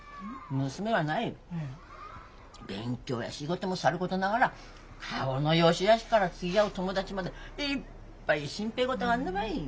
娘はない勉強や仕事もさることながら顔のよしあしからつきあう友達までいっぱい心配事があんだない。